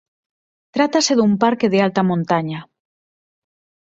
Trátase dun parque de alta montaña.